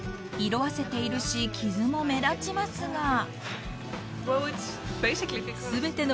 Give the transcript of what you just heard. ［色あせているし傷も目立ちますが］